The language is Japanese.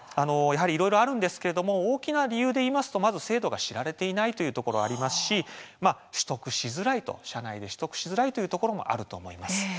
いろいろな理由あるんですが大きな理由といいますとまず制度が知られていないというところがありますし取得しづらいというところもあると思います。